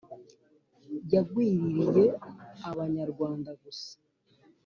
yagwiririye abanyarwanda gusa